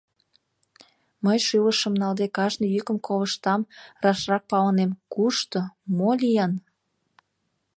Мый шӱлышым налде кажне йӱкым колыштам, рашрак палынем: кушто? мо лийын?